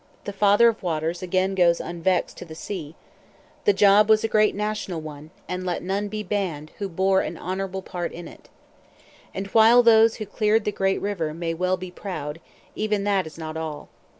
The Father of Waters again goes unvexed to the sea.... The job was a great national one, and let none be banned who bore an honorable part in it. And while those who cleared the great river may well be proud, even that is not all.